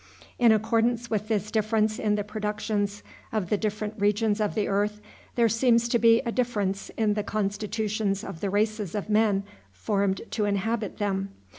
In accordance with this difference in the productions of the different regions of the earth, there seems to be a difference in the constitutions of the races of men formed to inhabit them.